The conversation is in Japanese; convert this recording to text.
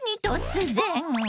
突然。